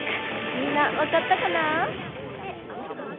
みんなわかったかな？